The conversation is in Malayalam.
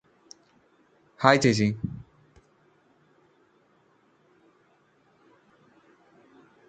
ഹായ് ചേച്ചി